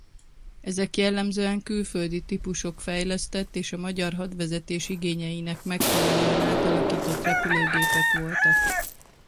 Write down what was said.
Ezek jellemzően külföldi típusok fejlesztett és a magyar hadvezetés igényeinek megfelelően átalakított repülőgépek voltak.